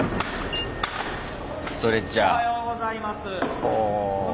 ストレッチャー。